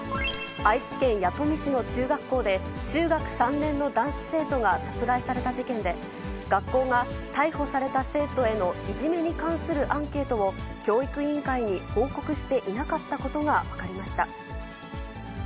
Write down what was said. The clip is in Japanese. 愛知県弥富市の中学校で、中学３年の男子生徒が殺害された事件で、学校が逮捕された生徒へのいじめに関するアンケートを教育委員会に報告していなかったことが分かりました。